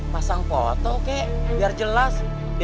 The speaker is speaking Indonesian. pasang foto kek biar jelas